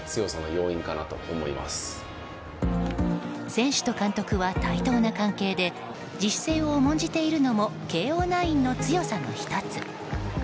選手と監督は対等な関係で自主性を重んじているのも慶応ナインの強さの１つ。